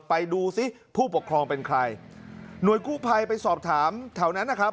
ไปดูซิผู้ปกครองเป็นใครหน่วยกู้ภัยไปสอบถามแถวนั้นนะครับ